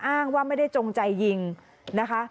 อ้างว่าไม่ได้จงใจยิงนะคะ